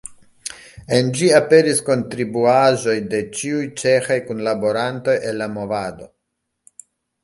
En ĝi aperis kontribuaĵoj de ĉiuj ĉeĥaj kunlaborantoj el la movado.